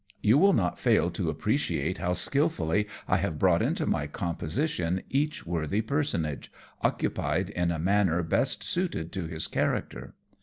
You will not fail to appreciate how skilfully I have brought into my composition each worthy personage, occupied in a manner best suited to his character.